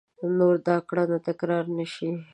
نور دا کړنه تکرار نه شي !